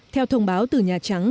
theo thông báo từ nhà trắng